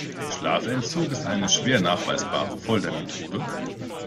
Schlafentzug ist eine schwer nachweisbare Foltermethode.